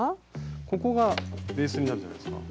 ここがベースになるじゃないですか。